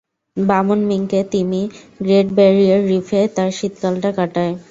বামন মিংকে তিমি great barrier রিফে তার শীতকালটা কাটায়।